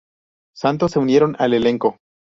Santos se unieron al elenco.